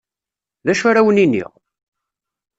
D acu ara wen-iniɣ?